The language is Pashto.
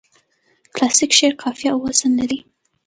کلاسیک شعر قافیه او وزن لري.